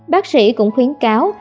bác sĩ cũng khuyến cáo